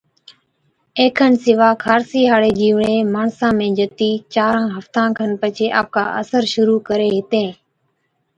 اي کن سِوا خارسِي هاڙين جِيوڙين ماڻسا ۾ جتِي چاران هفتان کن پڇي آپڪا اثر شرُوع ڪري هِتين